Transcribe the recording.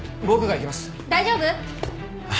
大丈夫？